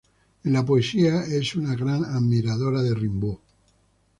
En la poesía es una gran admiradora de Rimbaud.